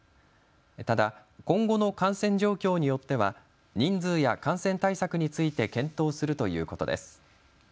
ただ今後の感染状況によっては人数や感染対策について検討するということです。